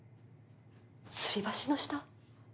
つり橋の下？